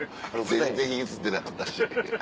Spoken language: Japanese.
全然引きずってなかったし。